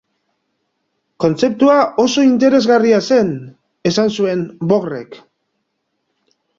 Kontzeptua oso interesgarria zen, esan zuen Bohrrek.